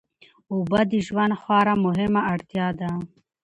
اوبه د ژوند خورا مهمه اړتیا ده.